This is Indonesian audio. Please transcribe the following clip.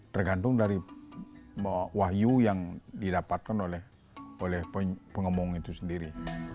tergantung dari wahyu yang didapatkan oleh pengemung itu sendiri